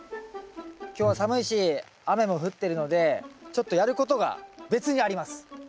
今日は寒いし雨も降ってるのでちょっとやることが別にあります。